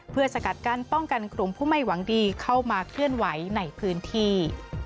เพื่อสกัดกั้นป้องกันกลุ่มผู้ไม่หวังดีเข้ามาเคลื่อนไหวในพื้นที่